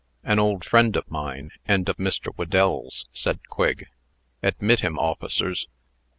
"An old friend of mine, and of Mr. Whedell's," said Quigg. "Admit him, officers.